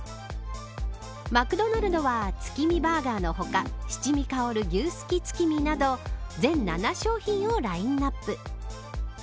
マクドナルドは月見バーガーの他七味香る牛すき月見など全７商品をラインアップ。